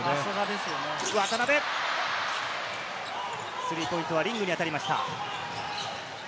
スリーポイントはリングに当たりました。